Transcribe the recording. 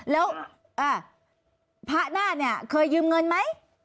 แล้วพระนาทเคยยืมเงินไหม